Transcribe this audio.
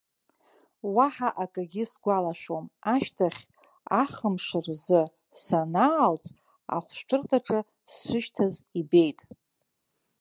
Уаҳа акагьы сгәалашәом, ашьҭахь, ахымш рзы санаалҵ ахәшәтәырҭаҿы сшышьҭаз збеит.